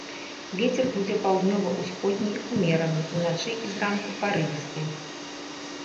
Вецер будзе паўднёва-ўсходні ўмераны, уначы і зранку парывісты.